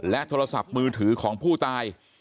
โทรศัพท์มือถือของผู้ตาย